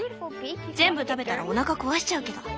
全部食べたらおなか壊しちゃうけど。